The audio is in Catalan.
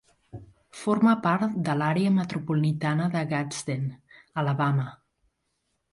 Forma part de l'àrea metropolitana de Gadsden, Alabama.